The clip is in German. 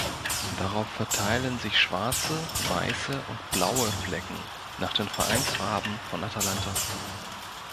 Darauf verteilen sich schwarze, weiße und blaue Flecken, nach den Vereinsfarben von Atalanta.